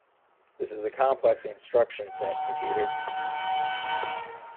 This is a complex instruction set computer.